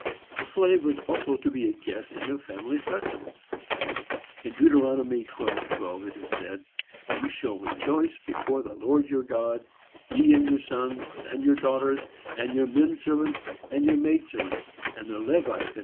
The slave also was to be a guest in the family festivals. In Deut. 12:12, it is said, "Ye shall rejoice before the Lord your God, ye, and your sons, and your daughters, and your men servants, and your maid servants, and the Levite that is within your gates."